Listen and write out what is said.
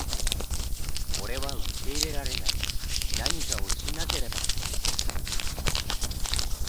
これは受け入れられない、何かをしなければ！